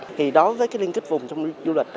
thì đối với cái liên kết vùng trong du lịch